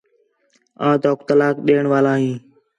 آں توک طلاق ݙیݨ والا ہیں